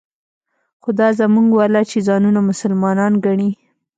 خو دا زموږ والا چې ځانونه مسلمانان ګڼي.